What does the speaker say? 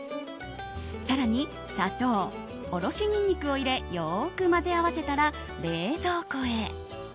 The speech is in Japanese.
更に砂糖おろしニンニクを入れよく混ぜ合わせたら冷蔵庫へ。